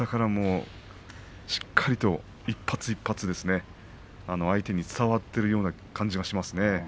下から下からしっかりと一発一発、相手に伝わっているような気がします。